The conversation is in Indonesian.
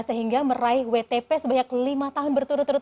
sehingga meraih wtp sebanyak lima tahun berturut turut